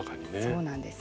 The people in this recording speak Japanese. そうなんです。